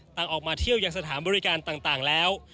ต่างออกมาเที่ยวยังสถานบริการต่างแล้ว